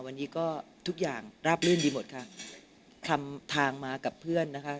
วันนี้ก็ทุกอย่างราบลื่นดีหมดค่ะทำทางมากับเพื่อนนะคะ